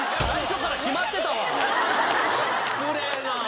失礼な。